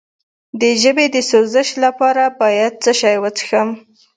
د ژبې د سوزش لپاره باید څه شی وڅښم؟